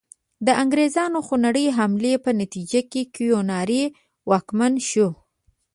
د انګریزانو خونړۍ حملې په نتیجه کې کیوناري واکمن شو.